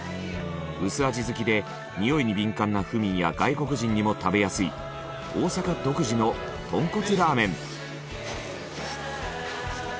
薄味好きでにおいに敏感な府民や外国人にも食べやすい大阪独自の豚骨ラーメン。